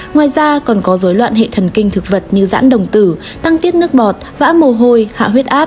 ngoài ra còn có dối loạn hệ thần kinh thực vật như giãn đồng tử tăng tiết nước bọt vã mồ hôi hạ huyết áp